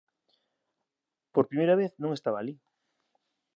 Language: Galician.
Por primeira vez, non estaba alí.